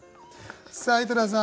さあ井戸田さん